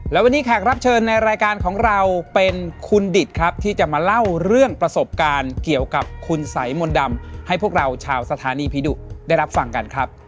และวันนี้แขกรับเชิญในรายการของเราเป็นคุณดิตครับที่จะมาเล่าเรื่องประสบการณ์เกี่ยวกับคุณสัยมนต์ดำให้พวกเราชาวสถานีผีดุได้รับฟังกันครับ